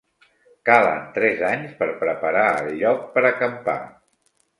Calen tres anys per preparar el lloc per acampar.